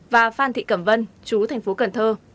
và phan thị cẩm vân chú thành phố cần thơ